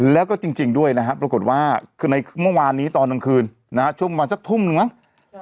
แล้วก็จริงจริงด้วยนะฮะปรากฏว่าคือในเมื่อวานนี้ตอนต่างคืนนะฮะช่วงมาสักทุ่มนึงหรอ